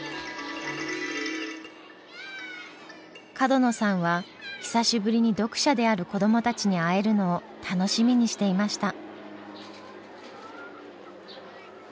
角野さんは久しぶりに読者である子どもたちに会えるのを楽しみにしていました。